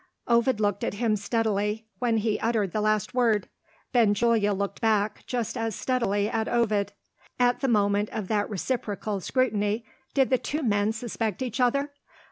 Ovid looked at him steadily, when he uttered the last word. Benjulia looked back, just as steadily at Ovid. At the moment of that reciprocal scrutiny, did the two men suspect each other?